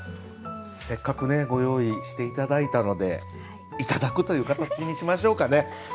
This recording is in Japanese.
せっかくねご用意して頂いたのでいただくという形にしましょうかね。